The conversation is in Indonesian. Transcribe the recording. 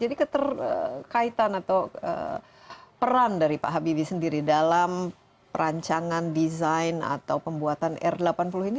jadi keterkaitan atau peran dari pak habibie sendiri dalam perancangan desain atau pembuatan r delapan puluh ini